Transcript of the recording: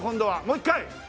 もう一回？